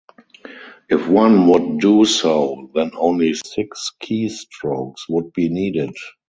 If one would do so then only six keystrokes would be needed.